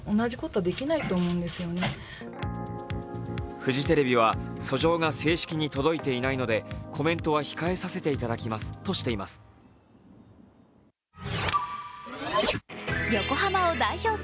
フジテレビは訴状が正式に届いていないのでコメントは控えさせていただきますとしています。